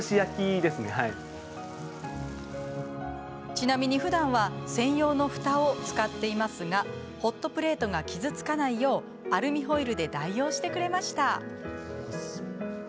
ちなみに、ふだんは専用のふたを使っていますがホットプレートが傷つかないようアルミホイルで代用してくれました。